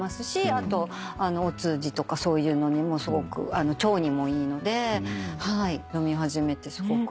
あとお通じとかそういうのにもすごく腸にもいいのではい飲み始めてすごく。